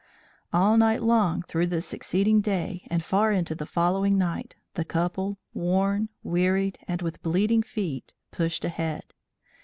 All night long, through the succeeding day and far into the following night, the couple, worn, wearied and with bleeding feet, pushed ahead.